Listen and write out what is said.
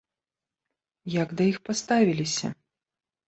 Як да іх паставіліся?